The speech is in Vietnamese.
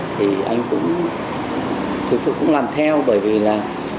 thì anh cũng thực sự cũng làm theo bởi vì là